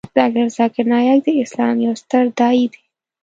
ډاکتر ذاکر نایک د اسلام یو ستر داعی دی .